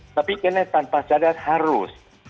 tapi karena tanpa sadar harus